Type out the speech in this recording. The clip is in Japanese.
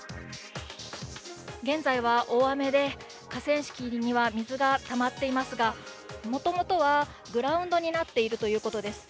現在は大雨で河川敷には水がたまっていますがもともとはグラウンドになっているということです。